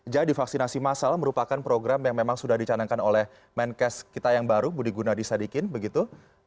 jadi vaksinasi massal merupakan program yang memang sudah dicanangkan oleh menkes kita yang baru budi gunadisadikin begitu